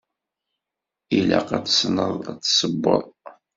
Ilaq ad tessneḍ ad tessewweḍ.